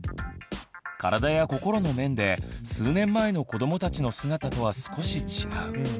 体や心の面で数年前の子どもたちの姿とは少し違う。